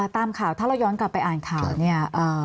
ตามข่าวถ้าเราย้อนกลับไปอ่านข่าวเนี่ย